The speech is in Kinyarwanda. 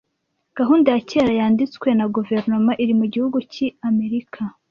Gahunda ya kera yanditswe na guverinoma iri mu gihugu ki Amerika